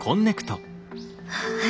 はい。